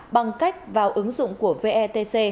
bằng cách vào ứng dụng của vetc